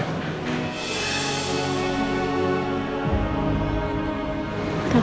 kamu tak mau coba suka